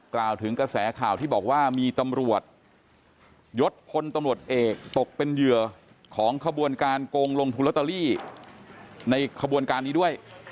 กล่าวถึงกระแสข่าวที่บอกว่ามีตำรวจยศพลตำรวจเอกตกเป็นเหยื่อของขบวนการโกงลงทุนลอตเตอรี่ในขบวนการนี้ด้วย